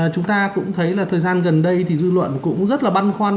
chúng ta cũng thấy là thời gian gần đây thì dư luận cũng rất là băn khoăn